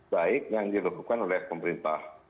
baik yang dilakukan oleh pemerintah